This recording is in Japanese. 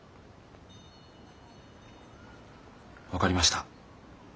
分かりました。